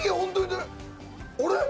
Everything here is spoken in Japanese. あれ？